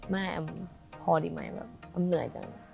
แม่แอมพอดีไหมแบบอ้ำเหนื่อยจัง